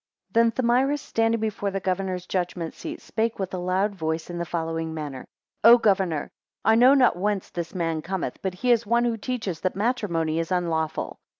THEN Thamyris standing before the governor's judgment seat, spake with a loud voice in the following manner. 2 O governor, I know not whence this man cometh; but he is one who teaches that matrimony is unlawful.